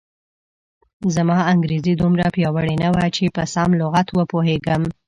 زما انګریزي دومره پیاوړې نه وه چې په سم لغت و پوهېږم.